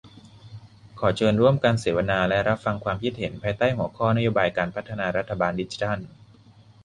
ขอเชิญร่วมการเสวนาและรับฟังความคิดเห็น ภายใต้หัวข้อ"นโยบายการพัฒนารัฐบาลดิจิทัล"